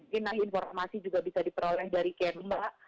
mungkin informasi juga bisa diperoleh dari ken bu